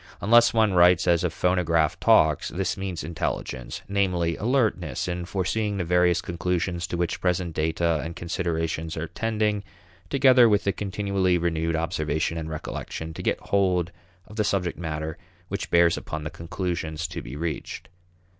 Unless one writes as a phonograph talks, this means intelligence; namely, alertness in foreseeing the various conclusions to which present data and considerations are tending, together with continually renewed observation and recollection to get hold of the subject matter which bears upon the conclusions to be reached.